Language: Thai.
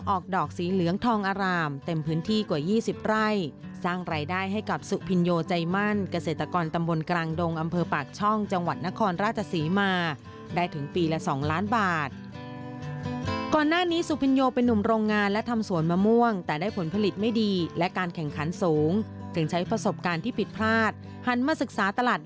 ออกดอกสีเหลืองทองอารามเต็มพื้นที่กว่า๒๐ไร่สร้างรายได้ให้กับสุพินโยใจมั่นเกษตรกรตำบลกลางดงอำเภอปากช่องจังหวัดนครราชศรีมาได้ถึงปีละ๒ล้านบาทก่อนหน้านี้สุพินโยเป็นนุ่มโรงงานและทำสวนมะม่วงแต่ได้ผลผลิตไม่ดีและการแข่งขันสูงจึงใช้ประสบการณ์ที่ผิดพลาดหันมาศึกษาตลาด